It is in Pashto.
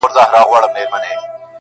دنیا ډېره بې وفاده عاقلان نه په نازېږي.